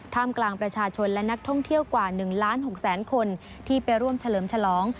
กลางประชาชนและนักท่องเที่ยวกว่า๑ล้าน๖แสนคนที่ไปร่วมเฉลิมฉลอง